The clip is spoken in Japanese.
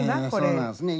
そうなんですね